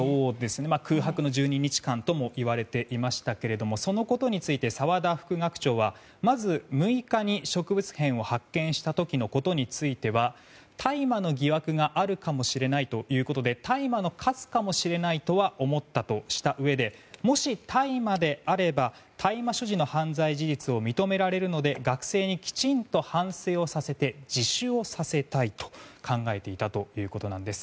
空白の１２日間ともいわれていましたけれどもそのことについて澤田副学長はまず、６日に植物片を発見した時のことについては大麻の疑惑があるかもしれないということで大麻のかすかもしれないとは思ったとしたうえでもし、大麻であれば大麻所持の犯罪事実を認められるので学生にきちんと反省をさせて自首をさせたいと考えていたということなんです。